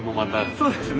そうですね。